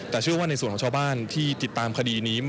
แต่เชื่อว่าในส่วนของชาวบ้านที่ติดตามคดีนี้